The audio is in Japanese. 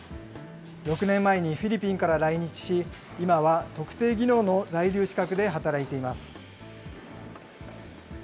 ６年前にフィリピンから来日し、今は特定技能の在留資格で働いています。